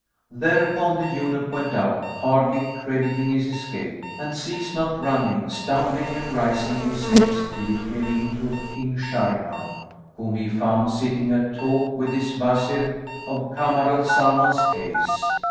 Thereupon the eunuch went out, hardly crediting his escape, and ceased not running, stumbling and rising in his haste, till he came in to King Shahriman, whom he found sitting at talk with his Wazir of Kamar al Zaman's case.